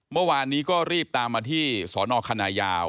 เมื่อวานนี้ก็รีบตามมาที่สนคณะยาว